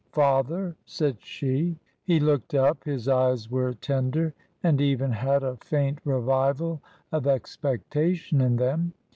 " Father," said she. He looked up ; his eyes were tender, and even had a faint revival of expectation in them.